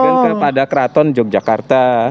membalikkan kepada keraton yogyakarta